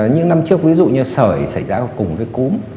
những năm trước ví dụ như sởi xảy ra cùng với cúm